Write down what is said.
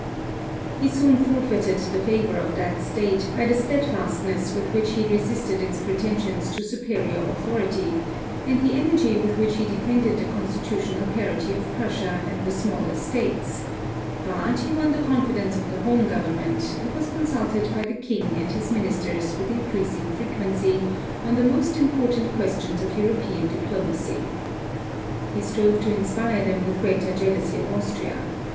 He soon forfeited the favor of that State by the steadfastness with which he resisted its pretensions to superior authority, and the energy with which he defended the constitutional parity of Prussia and the smaller States; but he won the confidence of the home government, and was consulted by the King and his ministers with increasing frequency on the most important questions of European diplomacy. He strove to inspire them with greater jealousy of Austria.